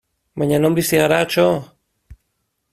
Baina non bizi gara, txo!